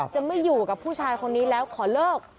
จะไม่อยู่กับผู้ชายคนนี้แล้วขอเลิก